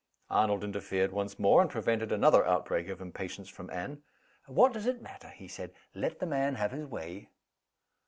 Arnold interfered once more, and prevented another outbreak of impatience from Anne. "What does it matter?" he said. "Let the man have his way."